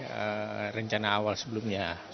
sehingga itu membuat schedule agak jadi mundur dibanding